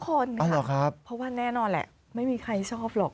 คนค่ะเพราะว่าแน่นอนแหละไม่มีใครชอบหรอก